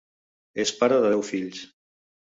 És pare de deu fills.